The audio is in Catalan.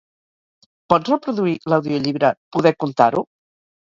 Pots reproduir l'audiollibre "Poder contar-ho"?